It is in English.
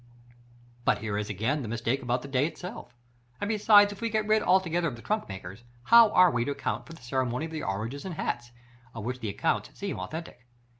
But here is again the mistake about the day itself; and besides if we get rid altogether of the trunkmakers, how are we to account for the ceremony of the oranges and hats, of which the accounts seem authentic?